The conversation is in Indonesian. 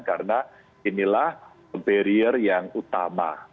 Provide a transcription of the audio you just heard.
karena inilah barrier yang utama